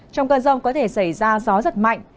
trong cơn rông có thể xảy ra gió giật mạnh